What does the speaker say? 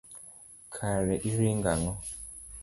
Kare iringo ang'o.